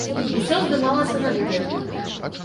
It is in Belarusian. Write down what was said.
Усё здымалася на відэа.